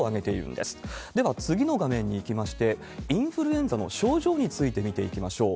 では次の画面にいきまして、インフルエンザの症状について見ていきましょう。